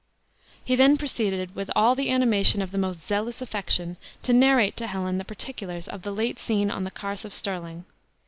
He then proceeded, with all the animation of the most zealous affection, to narrate to Helen the particulars of the late scene on the Carse of Stirling.